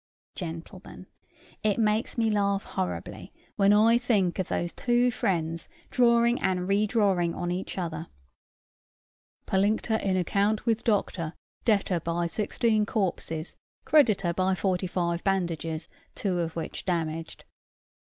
"Gentlemen, it makes me laugh horribly, when I think of those two friends drawing and redrawing on each other: 'Pollinctor in account with Doctor, debtor by sixteen corpses; creditor by forty five bandages, two of which damaged.'